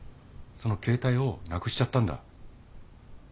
その携帯をなくしちゃったんだ。